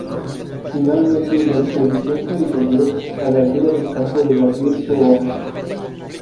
Finalmente, la expedición se disolvió a la altura del campo de Gabriel Soares.